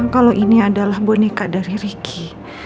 kalau ini adalah boneka dari riki